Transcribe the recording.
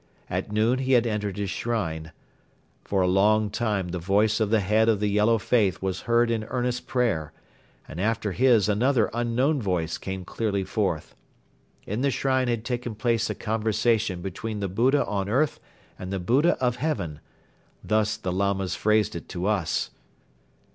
At noon he had entered his shrine. For a long time the voice of the head of the Yellow Faith was heard in earnest prayer and after his another unknown voice came clearly forth. In the shrine had taken place a conversation between the Buddha on earth and the Buddha of heaven thus the Lamas phrased it to us.